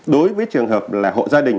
đối với trường hợp là hộ gia đình